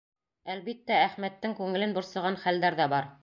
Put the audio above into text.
Әлбиттә, Әхмәттең күңелен борсоған хәлдәр ҙә бар.